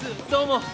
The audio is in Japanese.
どうも。